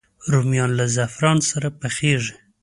رومیان له زعفران سره پخېږي